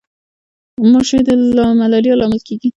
ماشي د ملاریا لامل کیږي